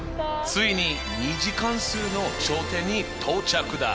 ついに２次関数の頂点に到着だ！